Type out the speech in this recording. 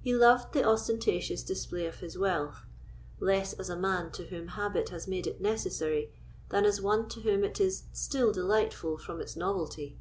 He loved the ostentatious display of his wealth, less as a man to whom habit has made it necessary, than as one to whom it is still delightful from its novelty.